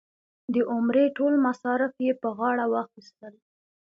د عمرې ټول مصارف یې په غاړه واخیستل.